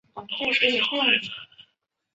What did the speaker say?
有的甚至由唱红的歌手来分类。